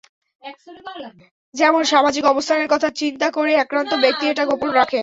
যেমন সামাজিক অবস্থানের কথা চিন্তা করে আক্রান্ত ব্যক্তি এটা গোপন রাখে।